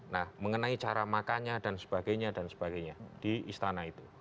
nah mengenai cara makannya dan sebagainya di istana itu